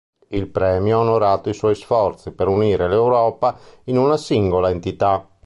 Il premio ha onorato i suoi sforzi per unire l'Europa in una singola entità.